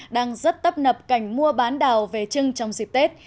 đang rất tấp nập cảnh mua bán đào về trưng trong dịp tết